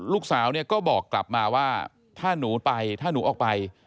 ลูกสาวเนี่ยก็บอกกลับมาว่าถ้าหนูไปถ้าหนูออกไป